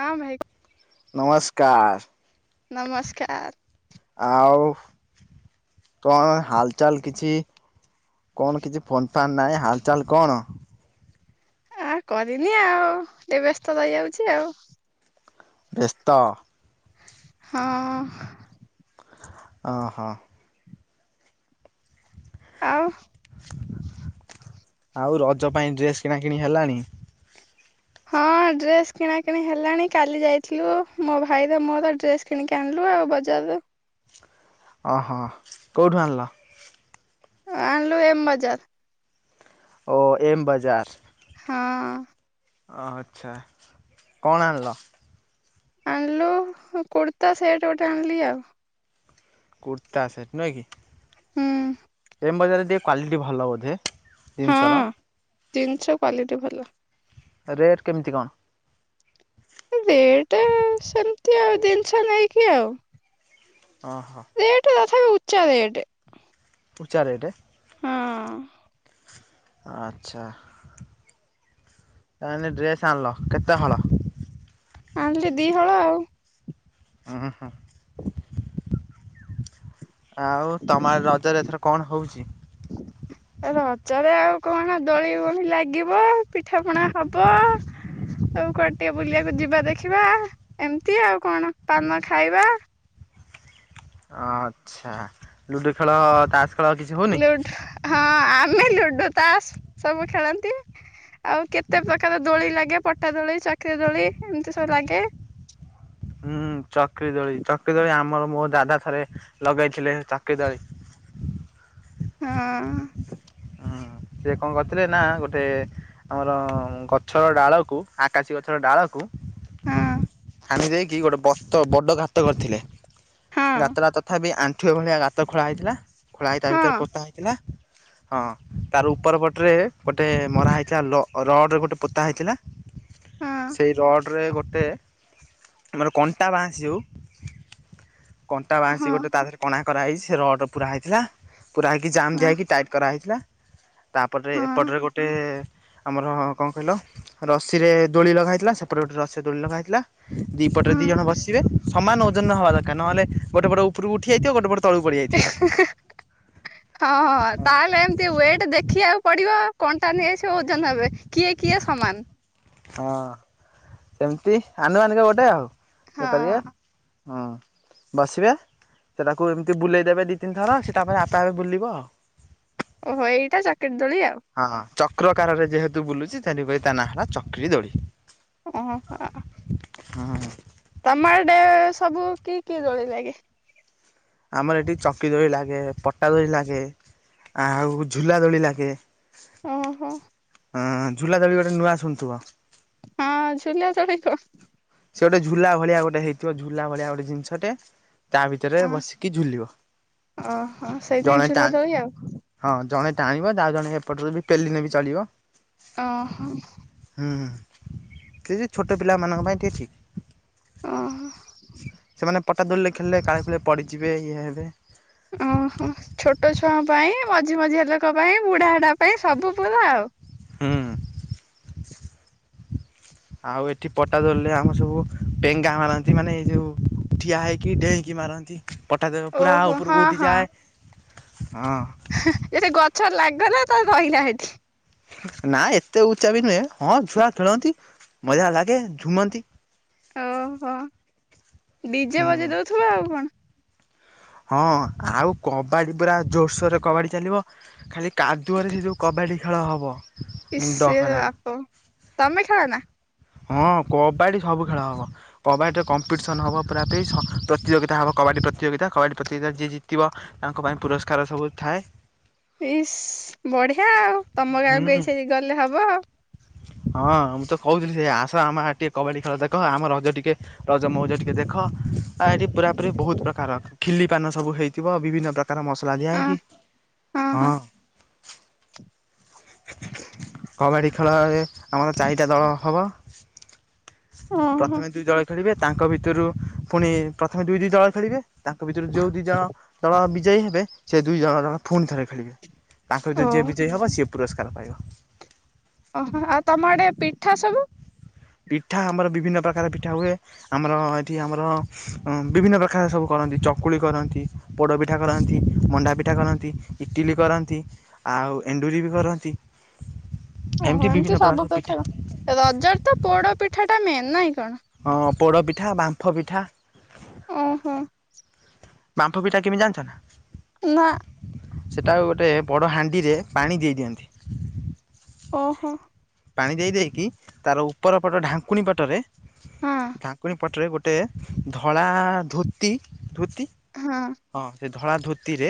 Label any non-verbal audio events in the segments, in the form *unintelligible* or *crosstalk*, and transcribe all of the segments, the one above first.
ହଁ ଭାଇ ନମସ୍କାର ନମସ୍କାର ଆଉ କଣ ହାଲଚାଲ କିଛି କଣ କିଛି ଫୋନ ଫାନ୍ ନାହିଁ ହାଲ ଚାଲ୍ କଣ? ଆ କରିନି ଆଉ ଟିକେ ବ୍ୟସ୍ତ ରହିଯାଉଛି ଆଉ ବ୍ୟସ୍ତ? ହଁ ଓ ହୋ। ଆଉ। ଆଉ ରଜ ପାଇଁ ଡ୍ରେସ କିଣା କିିଣି ହେଲାଣି? ହଁ ଡ୍ରେସ କିଣା କିିଣି ହେଲାଣି। କାଲି ଯାଇଥିଲୁ ମୋ ଭାଇ ର ମୋର ଡ୍ରେସ। କିଣିକି ଆଣିଲୁ ଆଉ ବଜାରରୁ। ଓହୋ। କୋଉଠୁ ଆଣିଲ? ଆଣିଲୁ ଏମ ବଜାର। ଓ ଏମ ବଜାର। ହଁ। ଓ ଆଚ୍ଛା। କଣ ଆଣିଲ? ଆଣିଲୁ ଉଁ କୁର୍ତ୍ତା ସେଟ୍ ଗୋଟେ ଆଣିଲି ଆଉ। କୁର୍ତ୍ତା ସେଟ ନୁହେଁ କି। ହୁଁ ଏମ ବଜାରରେ ଟିକେ କ୍ଵାଲିଟି ଭଲ ବୋଧେ? ହଁ ଜିନିଷର ଜିନିଷ କ୍ଵାଲିଟି ଭଲ। ରେଟ୍ କେମିତି କଣ? ରେଟ ସେମିତି ଆଉ ଜିନିଷ ନେଇକି ଆଉ। ଓ ହୋ। ରେଟ ତଥାପି ଉଚ୍ଚା ରେଟ। ଉଚ୍ଚା ରେଟ। ହଁ। ଆଚ୍ଛା। ତାହେନେ ଡ୍ରେସ୍ ଆଣିଲ କେତେ ହଳ? ଆଣିଲି ଦିହଳ ଆଉ। ଉଁ ହୁଁ ହୁଁ। ଆଉ ତମର ରଜରେ ଏଥର କଣ ହଉଛି? ଏ ରଜରେ ଆଉ କଣ ଦୋଳି ଫୋଳି ଲାଗିବ ପିଠା ପଣା ହବ। ଆଉ କୁଆଡେ ଟିକେ ବୁଲିବାକୁ ଯିବା ଦେଖିବା ଏମିତି ଆଉ କଣ ପାନ ଖାଇବା। ଆଚ୍ଛା। ଲୁଡୁ ଖେଳ, ତାସ୍ ଖେଳ କିଛି ହଉନି? ଲୁଡୁ ହଁ ଆମେ ଲୁଡୁ, ତାସ ସବୁ ଖେଳନ୍ତି। ଆଉ କେତେ ପ୍ରକାର ଦୋଳି ଲାଗେ ପଟା ଦୋଳି, ଚକିରି ଦୋଳି ଏମିତି ସବୁ ଲାଗେ। ହୁଁ ଚକ୍ରି ଦୋଳି ଚକ୍ରିଦୋଳି ଆମର ମୋ ଦାଦା ଥରେ ଲଗେଇଥିଲେ ଚକ୍ରି ଦୋଳି। ହଁ। ହୁଁ ସିଏ କଣ କରିଥିଲେ ନା ଗୋଟେ। ଆମର ଗଛର ଡାଳକୁ ଆକାଶୀ ଗଛର ଡାଳକୁ। ହଁ। ଆଣି ଦେଇକି ଗୋଟେ ବତ ବଡ଼ ଗାତ କରିଥିଲେ ହଁ ଗାତଟା ତଥାପି ଆ ଠିଏ ଭଳିଆ ଗାତ ଖୋଳା ହେଇଥିଲା ଖୋଳା ହେଇ ତା ଭିତରେ ପୋତା ହେଇଥିଲା। ହଁ ତାର ଉପର ପଟରେ ଗୋଟେ ମରା ହେଇଥିଲା ଲ ରଡ ଗୋଟେ ପୋତା ହେଇଥିଲା। ହଁ ସେହି ର ପଟରେ ଗୋଟେ ଆମର କଣ୍ଟା ବାଆଁସି ଯୋଉ। କଣ୍ଟା ହଁ ହଁ ବାଆଁଶି ଗୋଟେ ତା ଦେହରେ କଣା କରାହେଇଛି ସେ ରଡ଼ ପୁରା ହେଇଥିଲା ପୁରା ହେଇକି ଜାମ୍ ଦିଆ ହଁ ହେଇକି ଟାଇ କରାହେଇଥିଲା ତାପରେ ହଁ ଏପଟରେ ଗୋଟେ। ଆମର କଣ କହିଲ ରସିରେ ଦୋଳି ଲଗା ହେଇଥିଲା ସେପଟେ ଗୋଟେ ରସିରେ ଦୋଳି ଲଗା ହେଇଥିଲା। ଦି ପଟରେ ହଁ ଦି ଜଣ ବସିବେ ସମାନ ଓଜନ ହବା ଦରକାର ନହେଲେ ଗୋଟେ ପଟ ଉପରକୁ ଉଠି ଯାଇଥିବ ଗୋଟେ ପଟ। ତଳକୁ ପଡ଼ିଯାଇଥିବ। ହଁ ହଁ, ତାହେଲେ ଏମିତି ୱେଟ ଦେଖିବାକୁ ପଡ଼ିବ। କଣ୍ଟା ନେଇଆସିବ ଓଜନ ହେବେ। କିଏ କିଏ ସମାନ। ହଁ, ସେମିତି ଆନୁମାନିକ ଗୋଟେ ଆଉ ଇଏ ହଁ କରିବା। ହଁ। ବସିବେ, ସିଏ ତାକୁ ଏମିତି ବୁଲେଇ ଦେବେ ଦୁଇ ତିନି ଥର ସିଏ ତାପରେ ଆପେ ଆପେ ବୁଲିବ। ଓହୋଃ ଏଇଟା ଚକ୍ରୀ ଦୋଳି ଆଉ। ହଁ ହଁ ଚକ୍ରକାର ରେ ଯେହେତୁ ବୁଲୁଛି, ଥେନି ପାଇଁ ତା ନାଁ ହେଲା ଚକ୍ରି ଦୋଳି। ଓହୋଃ। ହଁ ହଁ। ତମ ଆଡ଼େ ସବୁ କି କି ଦୋଳି ଲାଗେ? ଆମର ଏଠି ଚକ୍ରୀ ଦୋଳି ଲାଗେ, ପଟା ଦୋଳି ଲାଗେ ଆଉ ଝୁଲା ଦୋଳି ଲାଗେ। ଓହୋଃ। ହଁ ଝୁଲା ଦୋଳି ଗୋଟେ ନୂଆ ଶୁଣୁଥିବ। ହଁ, ଝୁଲା ଦୋଳି କଣ? ସେ ଗୋଟେ ଝୁଲା ଭଳିଆ ଗୋଟେ ହେଇଥିବ ଝୁଲା ଭଳିଆ ଗୋଟେ ଜିନିଷଟେ। ତା ଭିତରେ ବସିକି ଝୁଲିବ। ଓହୋ ସେଇ ନାଇ ଜଣେ ଟା ଝୁଲା ଦୋଳି ଆଉ ହଁ, ଜଣେ ଟାଣିବ ଆଉ ଜଣେ ହେପଟରୁ ବି ପେଲିନେ ବି ଚଳିବ। ଓହୋ ହୁଁ, ହୁଁ, କିଛି ଛୋଟ ପିଲାମାନଙ୍କ ପାଇଁ ଅଛି। ଓହୋଃ। ସେମାନେ ପଟା ଦୋଳିରେ ଖେଳିଲେ କାଳେ ପଡ଼ିଯିବେ ଇଏ ହେବେ। ଓହୋଃ, ଛୋଟ ଛୁଆଙ୍କ ପାଇଁ, ମଝି ମଝିଆ ଲୋକ ପାଇଁ, ବୁଢା ହଢା ପାଇଁ ସବୁ ପୁରା ଆଉ। ହୁଁ *inaudible* ଆଉ ଏଠି ପଟା ଦୋଳିରେ ଆମର ସବୁ ପେଙ୍ଗା ମାରନ୍ତି ମାନେ ଏଇ ଯୋଉ ଠିଆ ହୋଇକି ଡେଇଁକି ମାରନ୍ତି। ପଟା ଦୋଳି ପୁରା ଓହୋ ହଁ ଉପରକୁ ଉଠିଯାଏ। ହଁ। ଯଦି ସେ ଗଛରେ ଲାଗି ଗଲା, ରହିଲା ସେଠି। ନା ଏତେ ଉଚ୍ଚା ବି ନୁହେଁ। ହଁ, ଛୁଆ ଖେଳନ୍ତି ମଜା ଲାଗେ ଝୁମନ୍ତି। ଓହୋଃ, ଡିଜେ ହୁଁ। ବଜେଇ ଦେଉଥିବ ଆଉ କଣ। ହଁ, ଆଉ କବାଡି ପୁରା ଜୋରସୋରରେ କବାଡି ଚାଲିବ। ଖାଲି କାଦୁଅରେ ସେ ଯୋଉ କବାଡି ଖେଳ ହବ। *unintelligible* ମୁଣ୍ଡ ଖରାପ ବାପ, ତମେ ଖେଳ ନା? ହଁ, କବାଡ଼ି ସବୁ ଖେଳ ହବ। କବାଡ଼ିରେ କମ୍ପିଟିସନ୍ ହେବ ପୁରାପୁରି ପ୍ରତିଯୋଗିତା ହେବ କବାଡ଼ି ପ୍ରତିଯୋଗିତା। କବାଡ଼ି ପ୍ରତିଯୋଗିତା ରେ ଯିଏ ଜିତିବ ତାଙ୍କ ପାଇଁ ପୁରସ୍କାର ସବୁ ଥାଏ। ଇସ୍ ବଢିଆ ଆଉ। ତମ ହୁଁ। ଗାଁକୁ *unintelligible* ଗଲେ ହବ ଆଉ। ହଁ, ମୁଁ ତ କହୁଥିଲି ସେଇଆ ଆସ ଆମ ଟିକେ କବାଡି ଖେଳ ଦେଖ। ଆମ ରଜ ଟିକେ ରଜ ମଉଜ ଟିକେ ଦେଖ। ଆ ଏଠି ପୁରାପୁରି ବହୁତ ପ୍ରକାର, ଖିଲି ପାନ ସବୁ ହେଇଥିବ ବିଭିନ୍ନ ପ୍ରକାର ମସଲା ଦିଆ ଆଉ ହେଇକି। ହଁ। କବାଡ଼ି ଖେଳରେ ଆମର ଚାରିଟା ଦଳ ହବ। ଓହୋ ପ୍ରଥମେ ଦୁଇ ଦଳ ଖେଳିବେ। ତାଙ୍କ ଭିତରୁ ପୁଣି ପ୍ରଥମେ ଦୁଇ ଦୁଇ ଦଳ ଖେଳିବେ ତାଙ୍କ ଭିତରୁ ଯେଉଁ ଦୁଇ ଦଳ ଦଳ ବିଜୟୀ ହେବେ, ସେ ଦୁଇ ଜଣ ଦଳ ପୁଣି ଥରେ ଖେଳିବେ। ତାଙ୍କ ଓ ଭିତରୁ ଯିଏ ବିଜୟୀ ହବ ସିଏ ପୁରସ୍କାର ପାଇବ। ଓହୋ ଆଉ ତମ ଆଡେ ପିଠା ସବୁ? ପିଠା ଆମର ବିଭିନ୍ନ ପ୍ରକାର ପିଠା ହୁଏ। ଆମର ଏଠି ଆମର ବିଭିନ୍ନ ପ୍ରକାର ସବୁ କରନ୍ତି ଚକୁଳି କରନ୍ତି। ପୋଡ଼ପିଠା କରନ୍ତି, ମଣ୍ଡା ପିଠା କରନ୍ତି, ଇଟିଲି କରନ୍ତି। ଆଉ ଏଣ୍ଡୁରି ବି କରନ୍ତି। ଓହୋ ଏମିତି ସବୁ ପ୍ରକାର। ରଜରେତ ପୋଡପିଠାଟା ମେନ୍ ନାଇଁ କଣ? ହଁ ପୋଡ଼ପିଠା, ବାମ୍ଫ ପିଠା। ଓହୋ। ବାମ୍ଫୁ ପିଠା କେମିତି ଜାଣିଛ ନା? ନା। ସେଇଟାକୁ ଗୋଟେ ବଡ଼ ହାଣ୍ଡିରେ ପାଣି ଦେଇ ଦିଅନ୍ତି। ଓହୋ। ପାଣି ଦେଇ ଦେଇକି ତାର ଉପର ପଟ ଢାଙ୍କୁଣୀ ପଟରେ ହଁ ଢାଙ୍କୁଣୀ ପଟରେ ଗୋ ଟେ ଧଳା ଧୋତି ଧୋତି ହଁ। ହଁ ସେ ଧଳା ଧୋତିରେ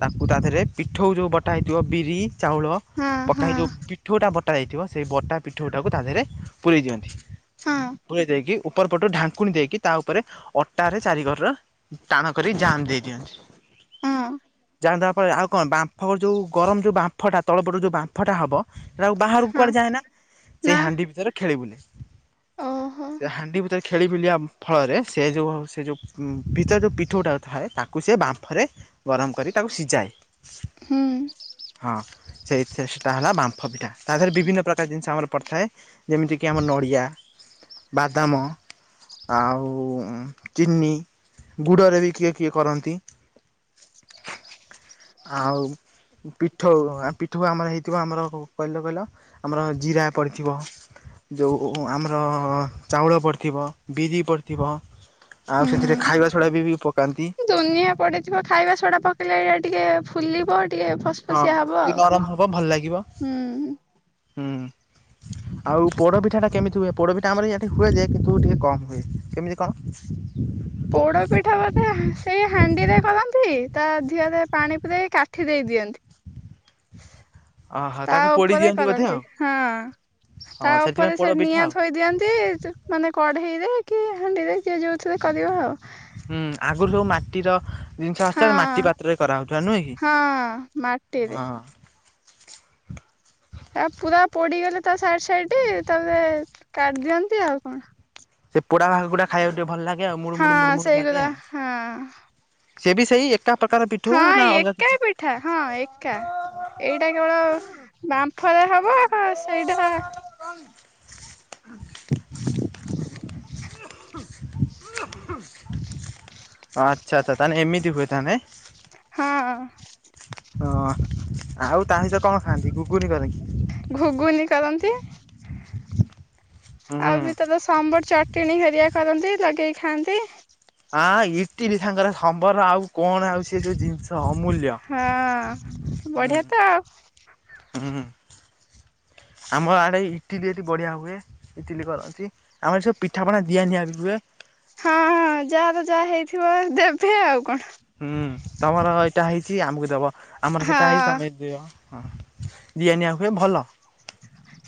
ତାକୁ ତା ଧେରେ ପିଠଉ ଯୋଉ ବଟା ହେଇଥିବ ବିରି, ଚାଉଳ ହଁ ପକା ହଁ ହେଇ ଯୋଉ ପିଠଉଟା ବଟା ଯାଇଥିବ ସେଇ ବଟା ପିଠଉଟାକୁ ତା ଦେହରେ ପୁରେଇ ଦିଅନ୍ତି। ହଁ ପୁରେଇ ଦେଇକି ଉପର ପଟୁ ଢାଙ୍କୁଣି ଦେଇକି ତା ଉପରେ ଅଟାରେ ଚାରି କର ଟାଣ କରି ଯାଆମ ଦେଇ ଦିଅନ୍ତି। ହଁ। ଜାମ ଦବା ପରେ ଆଉ କଣ ବାମ୍ଫ ଯେଉଁ ଗରମ ଯେଉଁ ବାମ୍ଫଟା ତଳପଟୁ ଯେଉଁ ବାମ୍ଫଟା ହେବ ସେଟାଉ ବାହାରକୁ ହଁ କୁଆଡେ ଯାଏ ନା ନା ସେଇ ହାଣ୍ଡି ଭିତରେ ଖେଳିବୁଲେ। ଓହୋ ସେଇ ହାଣ୍ଡି ଭିତରେ ଖେଳିବୁଲିବା ଫଳରେ ସେ ଯେଉଁ ସେ ଯେଉଁ ଭିତର ଯେଉଁ ପିଠଉ ଟା ଥାଏ ତାକୁ ସେ ବାମ୍ଫରେ ଗରମ କରି ତାକୁ ସିଜାଏ। ହୁଁ। ହଁ ସେଇଥିରେ ସେଇଟା ହେଲା ବାମ୍ଫ ପିଠା। ତା ଦେହରେ ବିଭିନ୍ନ ପ୍ରକାର ଜିନିଷ ଆମର ପଡ଼ିଥାଏ। ଯେମିତିକି ଆମ ନଡ଼ିଆ। ବାଦାମ, ଆଉ ଚିନି, ଗୁଡରେ ବି କିଏ କିଏ କରନ୍ତି ଆଉ ପିଠଉ ଆଉପି ଥୁ ଆମର ହେଇଥିବ ଆମର କହିଲ କହିଲ ଆମର ଜିରା ପଡ଼ିଥିବ। ଯୋଉ ଆମର ଚାଉଳ ପଡ଼ିଥିବ, ବିରି ପଡ଼ିଥିବ। ଆଉ ସେଥିରେ ହୁଁ ଖାଇବା ସୋଡା ବି ବି ପ ଦୁନିଆ ପଡିଥିବ ଖାଇବା ସୋଡା ପକେଇଲେ ଏଇଟା ଟିକେ ଫୁଲିବ ଟିକେ ଫସ ହଁ ଟିକେ ନରମ ହବ ଭଲ ଲାଗିବ ହୁଁ। ଆଉ ପୋଡ଼ପିଠାଟା କେମିତି ହୁଏ ପୋଡ଼ପିଠା ଆମର ଏଇଠି ହୁଏଯେ କିନ୍ତୁ ଟିକେ କମ୍ ହୁଏ। କେମିତି କଣ? ପୋଡ ପିଠା ବୋଧେ ହା ସେଇ ହାଣ୍ଡିରେ କରନ୍ତି। ତା ଧିଅରେ ପାଣି ପୁରେଇ କାଠି ଦେଇ ଦିଅନ୍ତି। ଓହୋ ତା ତାକୁ ପୋଡି ଉପରେ ଦିଅନ୍ତି ବୋଧେ କରନ୍ତି ଆଉ ହଁ। ତା ହଁ ସେଥିପାଇଁ ଉପରେ ପୋଡ ସେ ପିଠା ନିଆଁ ଆଉ ଥୋଇ ଦିଅନ୍ତି ଯୋ ମାନେ କଢେଇରେ, କି ହାଣ୍ଡିରେ ଯିଏ ଯୋଉ ଥିରେ କରିବ ଆଉ। ହୁଁ ଆଗରୁ ସବୁ ମାଟିର ଜିନିଷ ହଁ ବାସ ମାଟି ପାତ୍ରରେ କରାହଉଥିଲା ନୁହେଁ କି ହଁ ମାଟିରେ ହଁ ହଁ। ହେରା ପୁରା ପୋଡିଗଲେ ତା ସାଇଟ ସାଇଟି ତାହେଲେ କାଢି ଦିଅନ୍ତି ଆଉ କଣ। ସେ ପୋଡା ଭାଗ ଗୁଡା ଖାଇବାକୁ ଟିକେ ଭଲ ଲାଗେ ଆଉ ହଁ ମୁଡି ମୁଡୁ ଲାଗେ ସେଇଗୁରା ଆଉ। ହଁ ସିଏ ବି ସେଇ ଏକା ପ୍ରକାର ପି ହଁ ଏକା ପି ଠା ହଁ ଏକା ଏଇଟା କେବଳ ବାମ୍ଫରେ ହବ ଆଉ ସେଇଟା ଅଁ ଆଚ୍ଛା ଆଚ୍ଛା ତାହେଲେ ଏମିତି ହୁଏ ତାହେଲେ? ହଁ। ହଁ ଆଉ ତା ସହ କଣ ଖାଆନ୍ତି ଗୁଗୁନି କରନ୍ତି? ଘୁଘୁନି କରନ୍ତି ଆଉ ହୁଁ ବି ତା ଦେହରେ ସାମ୍ବର ଚଟଣୀ ହେରିଆ କରନ୍ତି ଲଗେଇକି ଖାଆନ୍ତି। ଆଁ ଇଟିଲି ସାଙ୍ଗରେ ସମ୍ବର ଆଉ କଣ ଆଉ ସେ ଯୋଉ ଜିନିଷ ଅମୂଲ୍ୟ। ହଁ ହୁଁ ବଢିଆ ତ ଆଉ। ହୁଁ ଆମ ଆଡେ ଇଟିଲି ଏଠି ବଢିଆ ହୁଏ। ଇଟିଲି କରନ୍ତି ଆମର ଏଠି ସବୁ ପିଠାପଣା ଦିଆ ନିିଆ ବି ହୁଏ। ହଁ ଯାହାର ଯାହା ହେଇଥିବ ଦେବେ ଆଉ କଣ। ହୁଁ ତମର ଏଇଟା ହେଇଛି ଆମକୁ ଦବ ଆମର ସେଇଟା ହେଇଛି ହଁ। ତମେ ଦିଅ। ହଁ ଦିଆ ନିଆ ହୁଏ ଭଲ।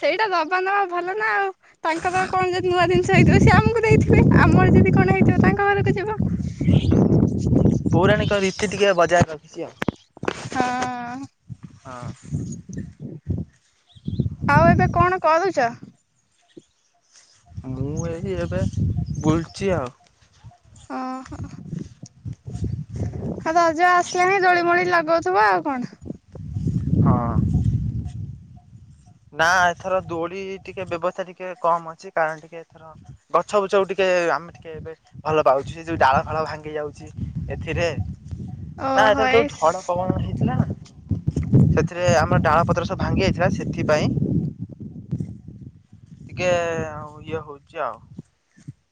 ସେଇଟା ଦବା ନବା ଭଲ ନା ଆଉ ତାଙ୍କର କଣ ଯଦି ନୂଆ ଜିନିଷ ହେଇଥିବ ସେ ଆମକୁ ଦେଇଥିବେ। ଆମର ଯଦି କଣ ହେଇଥିବ ତାଙ୍କ ଘରକୁ ଯିବ। ପୌରାଣିକ ରୀତି ଟିକେ ବଜାୟୀ ରଖିଛି ଆଉ। ହଁ। ହଁ। ଆଉ ଏବେ କଣ କରୁଛ? ମୁଁ ଏଇଠି ଏବେ ବୁଲୁଛି ଆଉ। ଓ ହୋ। ଆଉ ରଜ ଆସିଲାଣି ଦୋଳି ମୋଳି ଲଗଉଥିବ ଆଉ କଣ। ହଁ। ନାଁ ଏଥର ଦୋଳି ଟିକେ ବ୍ୟବସ୍ଥା ଟିକେ କମ୍ ଅଛି କାରଣ ଟିକେ ଏଥର ହଁ ଗଛ ବୁଛକୁ ଟିକେ ଆମେ ଟିକେ ଏବେ ଭଲ ପାଉଛି ସେ ଯୋଉ ଡାଳ ଫାଳ ଭାଙ୍ଗି ଯାଉଛି ଏଥିରେ ନାଁ ଓହୋ ଏଥର ଯୋଉ ଏଇ ଝଡ ପବନ ହେଇଥିଲା ସେଥିରେ ଆମର ଡାଳ ପତ୍ର ସବୁ ଭାଙ୍ଗି ଯାଇଥିଲା ସେଥିପାଇଁ ଟିକେ ଆଉ ଇଏ ହଉଛି ଆଉ।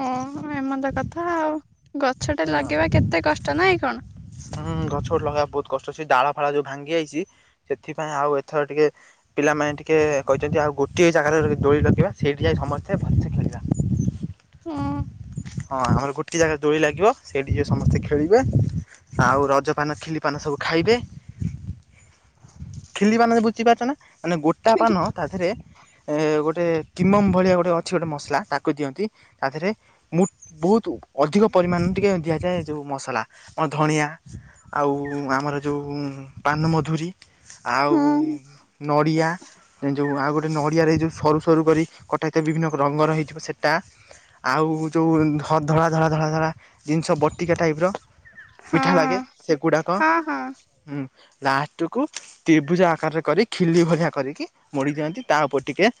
ହଁ ଏମନ୍ତ କଥା ଆଉ ଗଛଟେ ହଁ। ଲାଗିବା କେତେ କଷ୍ଟ ନାଇଁ କଣ? ହୁଁ ଗଛ ଲଗେଇବା ବହୁତ କଷ୍ଟ ଅଛି ଡାଳ ଫାଳ ଯୋଉ ଭାଙ୍ଗି ଯାଇଛି ସେଥିପାଇଁ ଆଉ ଏଥର ଟିକେ ପିଲାମାନେ ଟିକେ କହିଛନ୍ତି ଆଉ ଗୋଟିଏ ଜାଗାରେ ଦୋଳି ଲଗେଇବା ସେଇଠି ଯାଇ ସମସ୍ତେ ଭଲସେ ଖେଳିବା। *inaudible* ହଁ ଆମର ଗୋଟେ ଜାଗା ଦୋଳି ଲାଗିବ ସେଇଠି ସମସ୍ତେ ଖେଳିବେ ଆଉ ରଜପାନ ଖିଲିପାନ ସବୁ ଖାଇବେ। ଖିଲି ପାନ ବୁଝି ପାରୁଛ ନା ମାନେ ଗୋଟା ହଁ ପାନ ତା ଦେହେରେ ଏ ଗୋଟେ କିମମ୍ ଭଳିଆ ଗୋଟେ ଅଛି ଗୋଟେ ମସଲା ତାକୁ ଦିଅନ୍ତି ତା ଦେହେରେ। ମୁଁ ବହୁତ ଅଧିକ ପରିମାଣରେ ଟିକେ ଦିଆଯାଏ ଯୋଉ ମସଲା ଆଉ ଧଣିଆ ଆଉ ଆମର ଯୋଉ ପାନମଧୁରୀ ଆଉ ନଡ଼ିଆ ଏଇଁ ଯୋଉ ଆଉ ଗୋଟେ ନଡ଼ିଆରେ ଏଇ ଯୋଉ ସରୁ ସରୁ କରି କଟା ହେଇଥିବା ବିଭିନ୍ନ ରଙ୍ଗର ହେଇଥିବ ସେଟା ଆଉ ଯୋଉ ଧ ଧଳା ଧଳା ଧଳା ଧଳା ଜିନିଷ ବଟିକା ଟାଇପି ର ହଁ ମିଠା ଲାଗେ ସେଗୁଡ଼ାକ ହଁ ହଁ ହୁଁ। ଲାଷ୍ଟକୁ ତ୍ରିଭୁଜ ଆକାରରେ କରି ଖିଲି ଭଳିଆ କରିକି ମୋଡି ଦିଅନ୍ତି ତା ଉପରେ ଟିକେ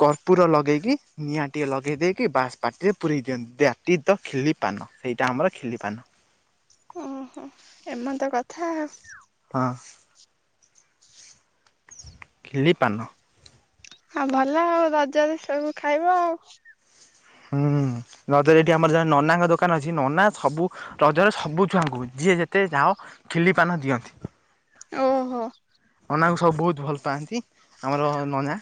କର୍ପୁର ଲଗେଇକି ନିଆଁଟିଏ ଲଗେଇ ଦେଇକି ବାସ୍ ପାଟିରେ ପୁରେଇ ଦିଅନ୍ତି। ଦାଟ୍ ଜି ଦ ଖିଲି ପାନ, ସେଇଟା ଆମର ଖିଲି ପାନ। ଉଁ ହୁଁ। ଏମନ୍ତ କଥା। ହଁ। ଖିଲିପାନ। ହଁ ଭଲ ଆଉ ରଜରେ ସବୁ ଖାଇବ ଆଉ। ହୁଁ ହୁଁ। ରଜ ରେ ଏଠି ଆମର ଜଣେ ନନାଙ୍କ ଦୋକାନ ଅଛି ନନା ସବୁ ରଜରେ ସବୁ ଛୁଆଙ୍କୁ ଯିଏ ଯେତେ ଯାଅ ଖିଲି ପାନ ଦିଅନ୍ତି। ଓହୋ। ନନାଙ୍କୁ ସବୁ ବହୁତ୍ ଭଲ ପାଆନ୍ତି। ଆମର ନନା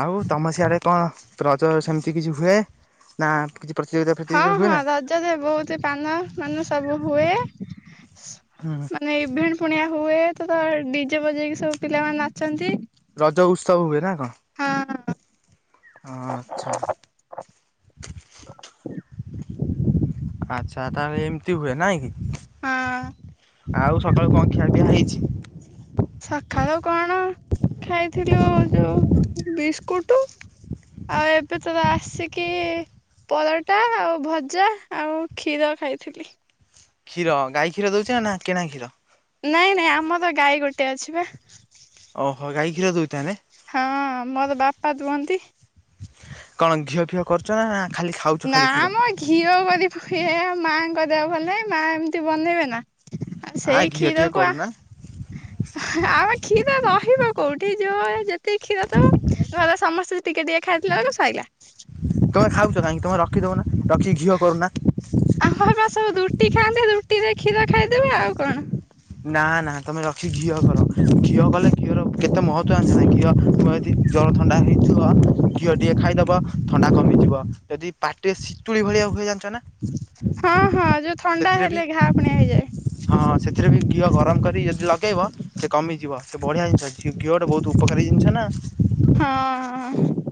ଆଉ ତମ ସିଆଡେ କଣ ରଜ ସେମିତି କିଛି ହୁଏ ନା କିଛି ପ୍ରତିଯୋଗିତା ହଁ ପ୍ରତିଯୋଗିତା ହୁଏ ହଁ। ନା ରଜରେ ବହୁତି ପାନ ମାନେ ସବୁ ହୁଏ। ହୁଁ ମାନେ ଇଭେଣ୍ଟ ପୁଣି ଆ ହୁଏ। ତ ଡିଜେ ବଜେଇକି ସବୁ ପିଲାମାନେ ନାଚନ୍ତି। ରଜ ଉତ୍ସବ ହୁଏ ନା କଣ? ହଁ ଆଚ୍ଛା। ଆଚ୍ଛା। ତା ହେଲେ ଏମିତି ହୁଏ ନାଇଁ କି? ହଁ। ଆଉ ସକାଳୁ କଣ ଖିଆ ପିଆ ହେଇଚି? ସଖାଳୁ କଣ ଖାଇଥିଲୁ ଯୋଉ ବିସ୍କୁଟୁ। ଆଉ ଏବେ ତ ଆସିକି ପରଟା ଆଉ ଭଜା ଆଉ କ୍ଷୀର ଖାଇଥିଲି। କ୍ଷୀର ଗାଈ କ୍ଷୀର ଦଉଚି ନା କିଣା କ୍ଷୀର? ନାଇଁ ନାଇଁ ଆମର ଗାଈ ଗୋଟେ ଅଛି ପା। ଓହୋ। ଗାଈ କ୍ଷୀର ଦଉଚି ତାହେଲେ? ହଁ ମୋର ବାପା ଦୁହଁନ୍ତି। କଣ ଘିଅ ଫିଅ କରୁଚ ନା ଖାଲି ଖାଉଛ ନା ଖାଲି କ୍ଷୀର? ମ ଘିଅ କରିବୁ, ମାଆଙ୍କ ଦେହ ଭଲେ ନାହିଁ ମା ଏମିତି ବନେଇବେ ନା। ଆଉ ଆ ସେଇ ଘିଅ ଟିକେ କ୍ଷୀରକୁ ଆ କରୁନା ଆମ କ୍ଷୀର ରହିବ କୋଉଠି ଯୋଉ ଏ ଯେ ଯେତିକି କ୍ଷୀର ଦବ, ଘର ର ସମସ୍ତେ ଟିକେ ଟିକେ ଖାଇଦେଲା ବେଳକୁ ଶଇଲା। ତମେ ଖାଉଚ କାହିଁକି? ତମେ ରଖିଦେଉନା ରଖିକି ଘିଅ କରୁନା। ଆମର ପରା ସବୁ ରୁଟି ଖାଆନ୍ତି। ରୁଟି ରେ କ୍ଷୀର ଖାଇଦେବେ ଆଉ କଣ। ନା ନା, ତମେ ରଖି କି ଘିଅ କର। ଘିଅ କଲେ ଘିଅର କେତେ ମହତ୍ଵ ଜାଣିଚ ନା, ଘିଅ ଥୁଆ ହୋଇ ଯଦି ଜର ଥଣ୍ଡା ହେଇଥିବ ଘିଅ ଟିକେ ଖାଇଦେବ ଥଣ୍ଡା କମିଯିବ। ଯଦି ପାଟି ରେ ସି ତୁଳି ଭଳିଆ ହୁଏ ଜାଣିଚ ନା? ହଁ ହଁ ଯୋଉଁ ଥଣ୍ଡା ସେଥିରେ ବି ହେଲେ ଘା ଫୁଣି ହେଇଯାଏ। ହଁ ସେଥିରେ ବି ଘିଅ ଗରମ କରି ଯଦି ଲଗେଇବ ସେ କମିଯିବ। ସିଏ ବଢିଆ ଜିନିଷ। ଘିଅ ଗୋଟେ ବହୁତ୍ ଉପକାରୀ ଜିନିଷ ନା। ହଁ।